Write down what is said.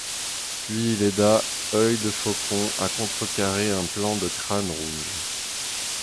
Puis il aida Œil-de-Faucon à contrecarrer un plan de Crâne Rouge.